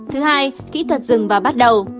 thứ hai kỹ thuật dừng và bắt đầu